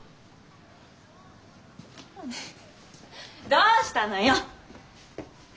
どうしたのよ。